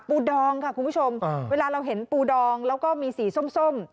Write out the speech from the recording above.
ดองค่ะคุณผู้ชมเวลาเราเห็นปูดองแล้วก็มีสีส้ม